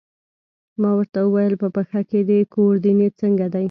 ما ورته وویل: په پښه کې، ګوردیني څنګه دی؟